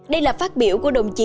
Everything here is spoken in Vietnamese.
đây là phát biểu của đồng chí nguyễn